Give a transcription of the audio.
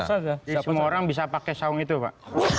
semua orang bisa pakai saung itu pak